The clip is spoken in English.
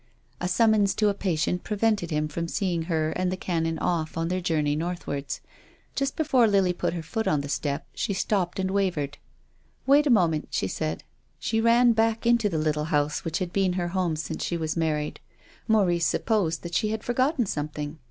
A summons to a patient prevented him from seeing her and the Canon off on their journey northwards. Just before Lily put her foot on the step she stopped and wavered. " Wait a moment," she said. She ran back into the little house which had been her home since she was married. Maurice supposed that she had forgotten something.